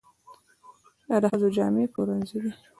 دا د ښځو جامې پلورنځی دی.